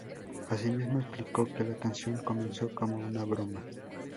Asimismo explicó que la canción comenzó como una broma.